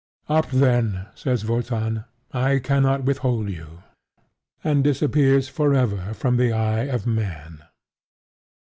"Up then," says Wotan: "I cannot withhold you," and disappears forever from the eye of man.